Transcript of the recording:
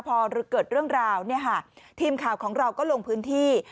พอเกิดเรื่องราวทีมข่าวของเราก็ลงพื้นที่